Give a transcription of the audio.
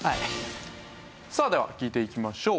さあでは聞いていきましょう。